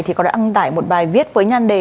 thì có đoạn tải một bài viết với nhan đề